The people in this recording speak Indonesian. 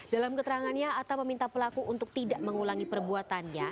dalam keterangannya atta meminta pelaku untuk tidak mengulangi perbuatannya